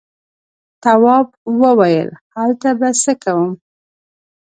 تواب وويل: هلته به څه کوم.